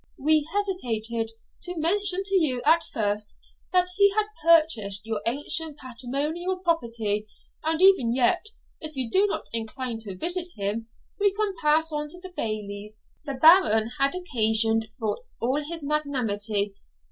We hesitated to mention to you at first that he had purchased your ancient patrimonial property, and even yet, if you do not incline to visit him, we can pass on to the Bailie's.' The Baron had occasion for all his magnanimity.